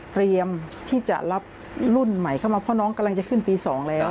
เตรียมที่จะรับรุ่นใหม่เข้ามาเพราะน้องกำลังจะขึ้นปี๒แล้ว